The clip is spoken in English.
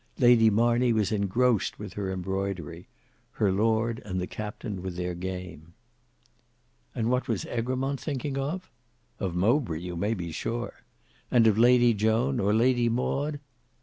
Lady Marney was engrossed with her embroidery; her lord and the captain with their game. And what was Egremont thinking of? Of Mowbray be you sure. And of Lady Joan or Lady Maud?